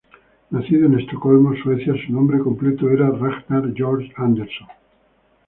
Nacido en Estocolmo, Suecia, su nombre completo era Ragnar Georg Andersson.